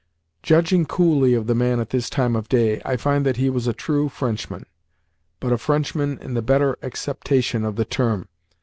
Judging coolly of the man at this time of day, I find that he was a true Frenchman, but a Frenchman in the better acceptation of the term.